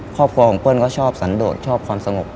ครอบครัวของเปิ้ลก็ชอบสันโดดชอบความสงบ